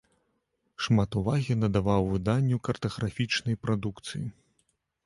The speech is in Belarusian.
Шмат увагі надаваў выданню картаграфічнай прадукцыі.